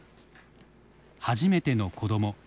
初めての子ども。